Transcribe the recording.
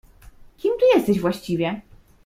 "Kim ty jesteś właściwie?"